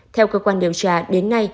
theo cơ quan điều tra